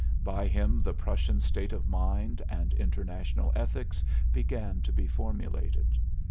By him the Prussian state of mind and international ethics began to be formulated.